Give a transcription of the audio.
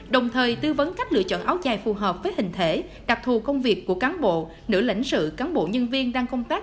đồng thời tư vấn cách lựa chọn áo dài phù hợp với hình thể đặc thù công việc của cán bộ nữ lãnh sự cán bộ nhân viên đang công tác